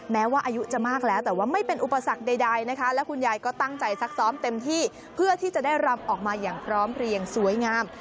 แม้ว่าอายุจะมากแล้วแต่ว่าไม่เป็นอุปสรรคใดนะคะและคุณยายก็ตั้งใจซักซ้อมเต็มที่เพื่อที่จะได้รำออกมาอย่างพร้อมเพลียงสวยงาม